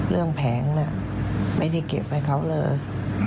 เรื่องแผงน่ะไม่ได้เก็บให้เขาเลย